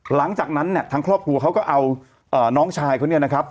หลังจากนั้นเนี่ยทางครอบครัวเขาก็เอาน้องชายเขาเนี่ยนะครับ